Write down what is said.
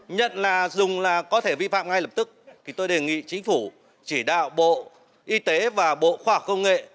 nhận là dùng là có thể vi phạm ngay lập tức thì tôi đề nghị chính phủ chỉ đạo bộ y tế và bộ khoa học công nghệ